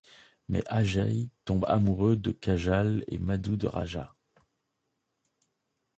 Mais Ajay tombe amoureux de Kajal et Madhu de Raja.